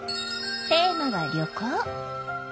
テーマは「旅行」！